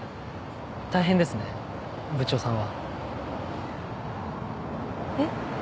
大変ですね部長さんは。えっ？